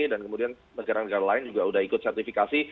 dan kemudian negara negara lain juga sudah ikut sertifikasi